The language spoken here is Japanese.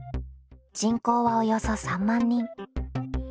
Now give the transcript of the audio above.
人口はおよそ３万人。